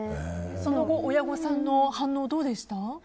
その後親御さんの反応はどうでしたか？